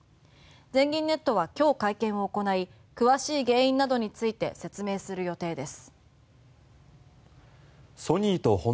全銀ネットは今日会見を行い詳しい原因などについて説明する予定です。